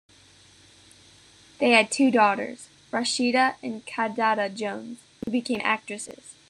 They had two daughters, Rashida and Kidada Jones, who became actresses.